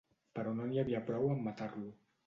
Però no n’hi havia prou amb matar-lo.